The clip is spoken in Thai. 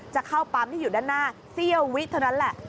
จะเข้าปั๊มที่อยู่ด้านหน้าเสี้ยววิเท่านั้นแหละ